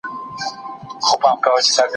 د تاريخ لوستل د انسان پوهه زياتوي.